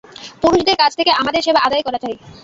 পুরুষদের কাছ থেকে আমাদের সেবা আদায় করা চাই।